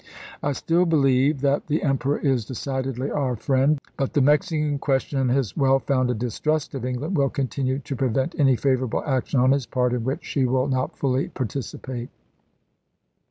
I still believe that the Emperor is decidedly our friend, but the Mexican question and his well founded distrust of England will continue to pre vent any favorable action on his part in which she will not fully participate."